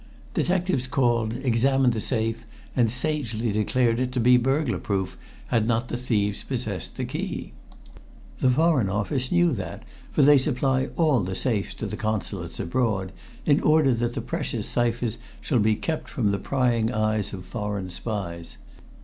Detectives called, examined the safe, and sagely declared it to be burglar proof, had not the thieves possessed the key. The Foreign Office knew that, for they supply all the safes to the Consulates abroad, in order that the precious ciphers shall be kept from the prying eyes of foreign spies.